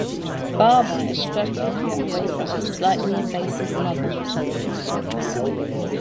Baaba is struggling to get away from his slightly invasive mother.